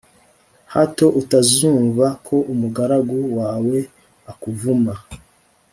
hato utazumva ko umugaragu wawe akuvuma